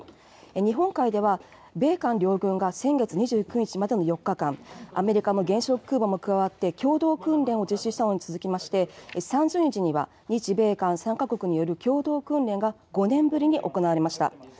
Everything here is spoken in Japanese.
日本海では米韓両軍が先月２９日までの４日間、アメリカの原子力空母も加わって、共同訓練を実施したのに続きまして、３０日には日米韓３か国による共同訓練が、５年ぶりに行われました。